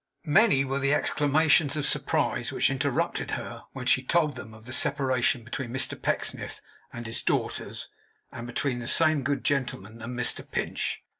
Many were the exclamations of surprise which interrupted her, when she told them of the separation between Mr Pecksniff and his daughters, and between the same good gentleman and Mr Pinch.